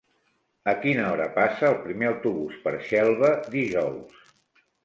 A quina hora passa el primer autobús per Xelva dijous?